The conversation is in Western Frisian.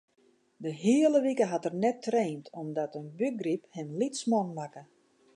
De hiele wike hat er net traind omdat in bûkgryp him lytsman makke.